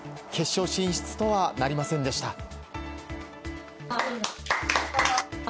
決勝進出とはなりませんでした。